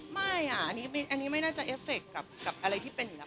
ไม่อันนี้ไม่น่าจะเอฟเฟคกับอะไรที่เป็นอยู่แล้ว